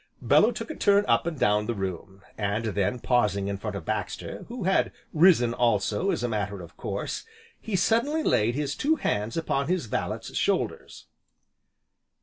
Bellew took a turn up and down the room, and then pausing in front of Baxter, (who had risen also, as a matter of course), he suddenly laid his two hands upon his valet's shoulders.